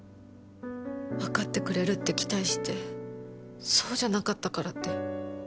わかってくれるって期待してそうじゃなかったからって